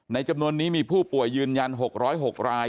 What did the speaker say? จำนวนนี้มีผู้ป่วยยืนยัน๖๐๖ราย